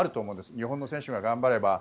日本の選手が頑張れば。